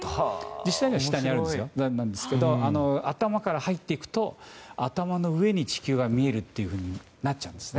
実際には下にあるんですけど頭から入っていくと頭の上に地球が見えるというふうになっちゃうんです。